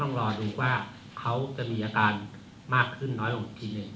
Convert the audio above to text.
รอดูว่าเขาจะมีอาการมากขึ้นน้อยลงอีกทีหนึ่ง